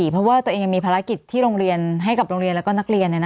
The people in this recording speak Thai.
เพราะว่าตัวเองยังมีภารกิจที่โรงเรียนให้กับโรงเรียนและนักเรียน